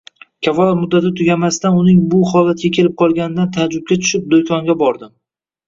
Kafolat muddati tugamasdan uning bu holatga kelib qolganidan taajjubga tushib, do‘konga bordim.